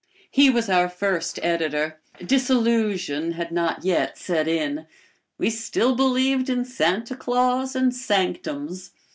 He was our first editor. Disillusion had not yet set in. We still believed in Santa Claus and sanctums.